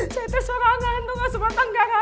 saya tersorangan tuh gak sebatang gara